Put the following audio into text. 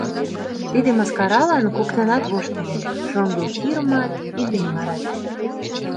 Тиде мыскаралан коктынат воштыльыч: шоҥго Хирмат, Иллимарат.